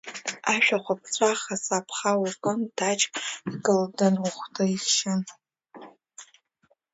Ашәахәа ԥҵәаха цаԥха укын, даҷк икылдан ухәда ихшьын.